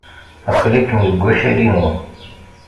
Aql-ikem deg wakal-inu.